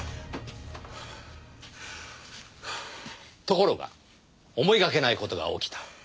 ところが思いがけない事が起きた。